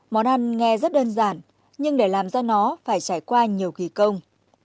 món ăn nghe rất đơn giản nhưng để làm ra nó phải trải qua nhiều kỳ công